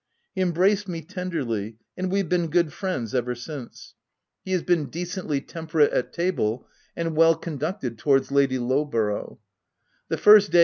He embraced me tenderly ; and we have been good friends ever since. He has been 144 THE TENANT decently temperate at table, and well conducted towards Lady Lowborough; The first day